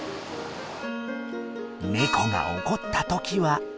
ネコが怒った時は。